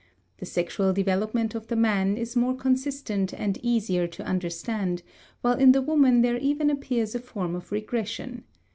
The sexual development of the man is more consistent and easier to understand, while in the woman there even appears a form of regression.